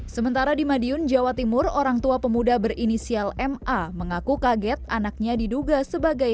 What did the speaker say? sementara di madiun jawa timur orang tua pemuda berinisial ma mengaku kaget anaknya diduga sebagai